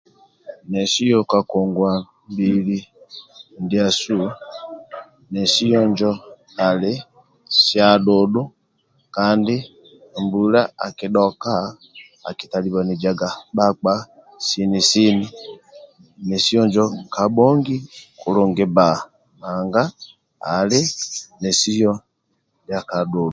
Nesiyo ka ngongwa mbili ndiasu nesiyo injo ali sa dhudhu kandi mbula ka dhoka akitalibanijaga bhakpa sini sini nesiyo injo kabhongi kulungi bba nanga ali nesiyo ndia kadhudhu